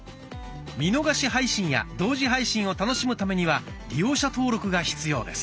見逃し配信や同時配信を楽しむためには利用者登録が必要です。